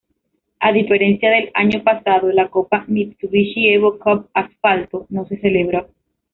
A diferencia del año pasado, la Copa Mitsubishi Evo Cup Asfalto, no se celebró.